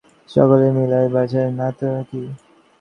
রামচন্দ্র রায় বিপদে পড়িলে তাঁহাকে সকলে মিলিয়া বাঁচাইবে না তো কী!